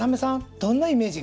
どんなイメージが？